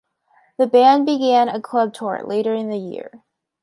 The band began a club tour later in the year.